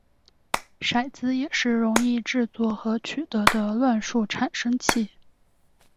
骰子也是容易制作和取得的乱数产生器。